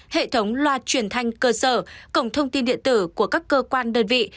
hệ thống loa truyền thanh cơ sở cổng thông tin điện tử của các cơ quan đơn vị